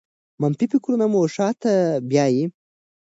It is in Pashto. منفي فکرونه مو شاته بیايي.